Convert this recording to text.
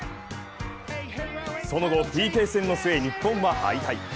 その後ＰＫ戦の末、日本は敗退。